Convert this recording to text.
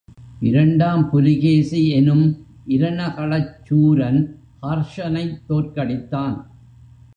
இரண்டாம் புலிகேசி எனும் இரணகளச் சூரன் ஹர்ஷனைத் தோற்கடித்தான்.